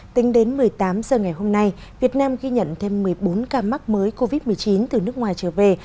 tính đến một mươi tám h ngày hôm nay việt nam ghi nhận thêm một mươi bốn ca mắc mới covid một mươi chín từ nước ngoài trở về